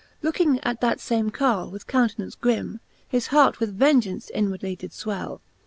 Looking at that fame Carle with count'nance grinr^ His heart with vengeaunce inwardly did fvvell.